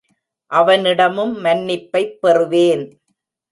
அவனிடமும் மன்னிப்பைப் பெறுவேன்.